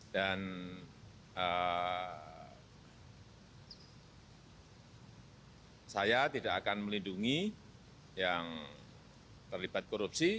dan saya tidak akan melindungi yang terlibat korupsi